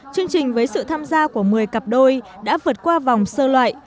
chương trình với sự tham gia của một mươi cặp đôi đã vượt qua vòng sơ loại